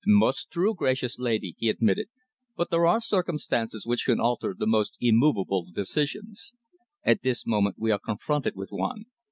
"Most true, gracious lady," he admitted, "but there are circumstances which can alter the most immovable decisions. At this moment we are confronted with one.